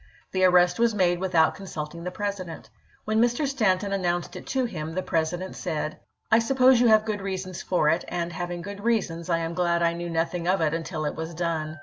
The arrest was made without consnlting the President. * When Mr. Stanton announced it to him the Presi dent said :" I suppose you have good reasons for it; and haviug good reasons, I am glad I knew nothing of it until it was done."